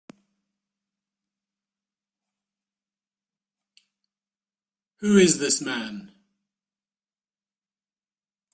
Who is this man?